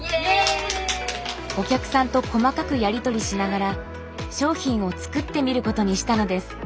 お客さんと細かくやり取りしながら商品を作ってみることにしたのです。